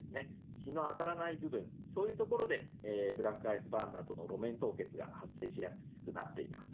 日の当たらない部分、そういう所でブラックアイスバーンなどの路面凍結が発生しやすくなっています。